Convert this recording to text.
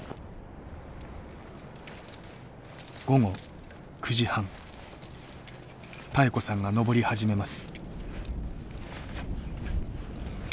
午後９時半妙子さんが登り始めます。